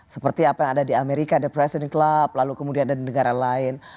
seperti apa yang ada di amerika the president club lalu kemudian ada negara lain